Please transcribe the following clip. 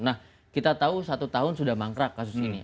nah kita tahu satu tahun sudah mangkrak kasus ini